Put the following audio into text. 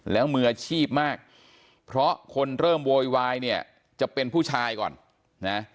แล้วมืออาชีพมากเพราะคนเริ่มโวยวายเนี่ยจะเป็นผู้ชายก่อนนะ